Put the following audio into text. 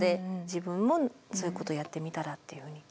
自分もそういうことやってみたらっていうふうに。